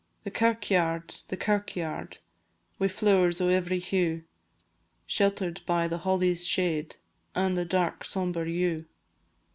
The kirkyaird, the kirkyaird, Wi' flowers o' every hue, Shelter'd by the holly's shade, An' the dark sombre yew.